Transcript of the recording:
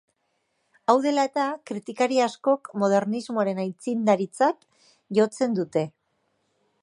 Hau dela eta, kritikari askok modernismoaren aitzindaritzat jotzen dute.